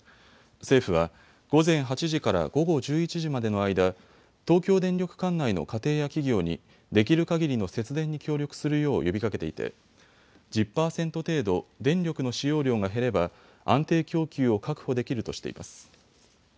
政府は午前８時から午後１１時までの間、東京電力管内の家庭や企業にできるかぎりの節電に協力するよう呼びかけていて１０％程度、電力の使用量が減れば安定供給を確保できるとしています。